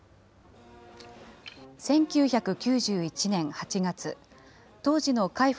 １９９１年８月、当時の海部